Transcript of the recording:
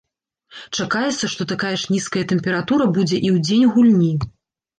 Чакаецца, што такая ж нізкая тэмпература будзе і ў дзень гульні.